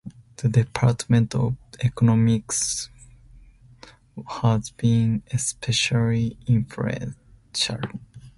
The Department of Economics has been especially influential.